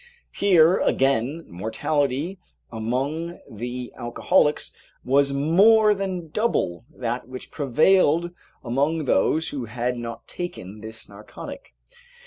Here again the mortality among the alcoholics was more than double that which prevailed among those who had not taken this narcotic.